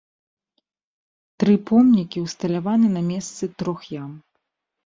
Тры помнікі ўсталяваны на месцы трох ям.